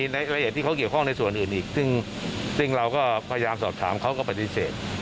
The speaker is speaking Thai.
หรือว่ากลุ่มของผู้เศษผู้เสีย